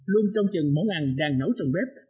luôn trông chừng món ăn đang nấu trong bếp